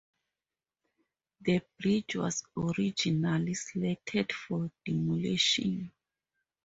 The bridge was originally slated for demolition.